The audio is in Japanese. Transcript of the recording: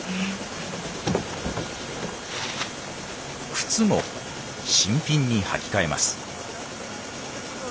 靴も新品に履き替えます。